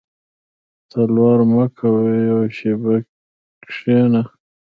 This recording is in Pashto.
•تلوار مه کوه یو شېبه کښېنه.